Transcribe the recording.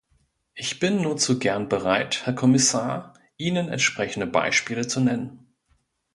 Ich bin nur zu gern bereit, Herr Kommissar, Ihnen entsprechende Beispiele zu nennen.